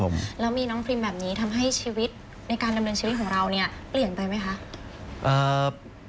แล้วมีน้องพรีมแบบนี้ทำให้ชีวิตในการดำเนินชีวิตของเราเนี่ยเปลี่ยนไปไหมคะครับ